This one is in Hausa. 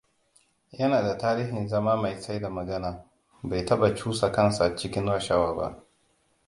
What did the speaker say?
Yana da tarihin zama mai tsaida magana. Bai taba cusa kansa cikin rashawa ba.